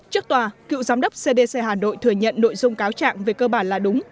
trước tòa cựu giám đốc cdc hà nội thừa nhận nội dung cáo trạng về cơ bản là đúng